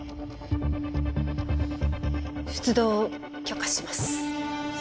出動を許可します